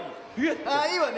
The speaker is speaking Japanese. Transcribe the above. あっいいわね。